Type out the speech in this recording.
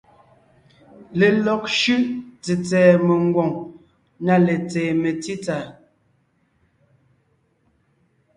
Lelɔg shʉ́ʼ tsètsɛ̀ɛ mengwòŋ na letseen metsítsà.